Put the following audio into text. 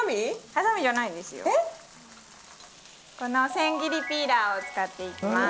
この千切りピーラーを使っていきます。